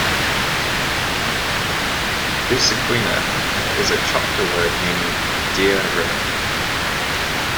"Issaquena" is a Choctaw word meaning "Deer River".